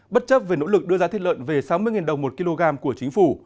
bất chấp về nỗ lực đưa giá thịt lợn về sáu mươi đồng một kg của chính phủ